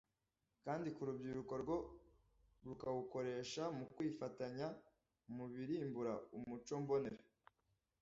kandi ku rubyiruko rwo rukawukoresha mu kwifatanya mu birimbura imico mbonera